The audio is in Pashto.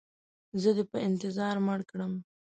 زه دې په انتظار مړ کړم.